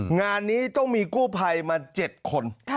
งานนี้ต้องมีกู้ภัยมา๗คน